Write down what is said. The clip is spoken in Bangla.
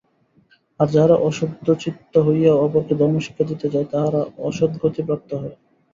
আর যাহারা অশুদ্ধচিত্ত হইয়াও অপরকে ধর্মশিক্ষা দিতে যায়, তাহারা অসদ্গতি প্রাপ্ত হয়।